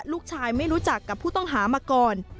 ลูกชายไม่รู้จักกับผู้ต้องหามาก่อน